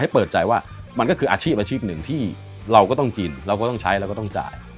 เปิดใจว่ามันก็คืออาชีพอาชีพหนึ่งที่เราก็ต้องกินเราก็ต้องใช้เราก็ต้องจ่าย